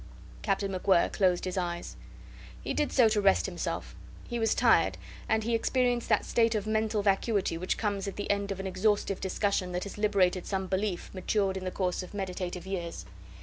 Captain MacWhirr closed his eyes. He did so to rest himself. He was tired, and he experienced that state of mental vacuity which comes at the end of an exhaustive discussion that has liberated some belief matured in the course of meditative years.